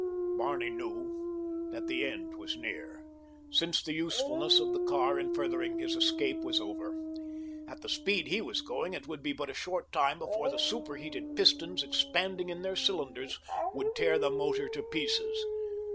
Barney knew that the end was near, since the usefulness of the car in furthering his escape was over. At the speed he was going it would be but a short time before the superheated pistons expanding in their cylinders would tear the motor to pieces.